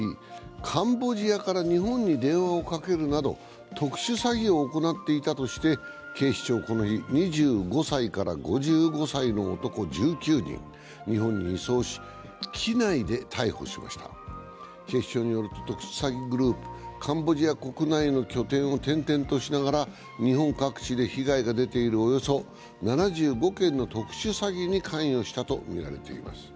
カンボジアから日本に電話をかけるなど特殊詐欺を行っていたとして、警視庁はこの日、２５歳から５５歳の男１９人日本に移送し、機内で逮捕しました警視庁によると特殊詐欺グループ、カンボジア国内の拠点を転々としながら、日本各地で被害が出ているおよそ７５件の特殊詐欺に関与したとみられています。